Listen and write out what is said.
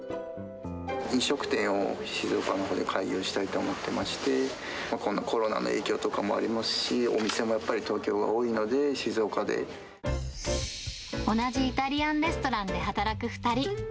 飲食店を静岡のほうで開業したいと思ってまして、コロナの影響とかもありますし、お店もやっ同じイタリアンレストランで働く２人。